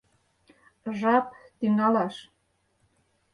Жап — тӱҥалаш!